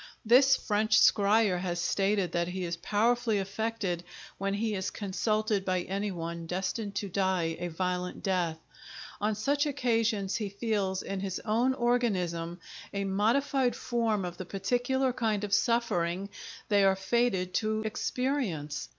This French scryer has stated that he is powerfully affected when he is consulted by any one destined to die a violent death; on such occasions he feels, in his own organism, a modified form of the particular kind of suffering they are fated to experience.